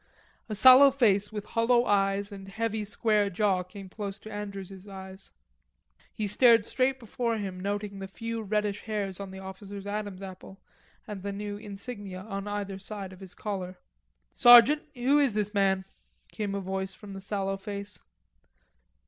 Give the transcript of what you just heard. A sallow face with hollow eyes and heavy square jaw came close to Andrews's eyes. He stared straight before him noting the few reddish hairs on the officer's Adam's apple and the new insignia on either side of his collar. "Sergeant, who is this man?" came a voice from the sallow face.